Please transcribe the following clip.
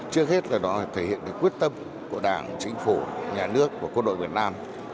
trước hết là đó thể hiện quyết tâm của đảng chính phủ nhà nước và quân đội việt nam